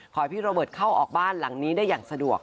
พี่โรเบิร์ตเข้าออกบ้านหลังนี้ได้อย่างสะดวก